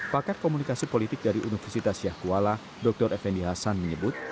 pakar komunikasi politik dari universitas yahkuala dr effendi hasan menyebut